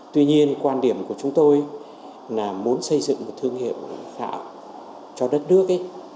tuy nhiên quan điểm của chúng tôi là muốn xây dựng một thương hiệu gạo cho đất nước